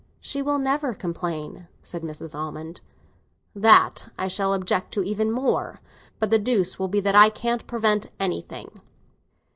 "She will never complain," said Mrs. Almond. "That I shall object to even more. But the deuce will be that I can't prevent anything."